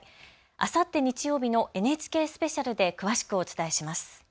あさって日曜日のＮＨＫスペシャルで詳しくお伝えします。